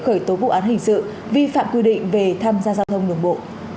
khởi tố vụ án hình sự vi phạm quy định về tham gia giao thông đường bộ